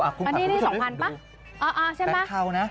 อันนี้สองพันป่ะแบงค์ทาวนะ